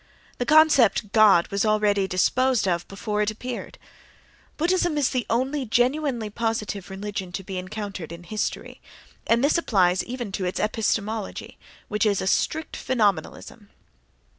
The concept, "god," was already disposed of before it appeared. Buddhism is the only genuinely positive religion to be encountered in history, and this applies even to its epistemology (which is a strict phenomenalism).